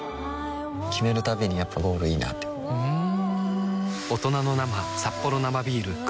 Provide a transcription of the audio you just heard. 決めるたびにやっぱゴールいいなってふん